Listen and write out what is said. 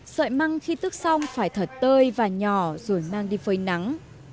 sợi măng khi tước xong phải thở tơi và nhỏ rồi mang đi phơi nắng